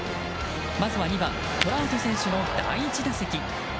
まずは２番、トラウト選手の第１打席。